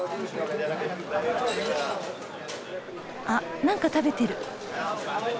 あ何か食べてる。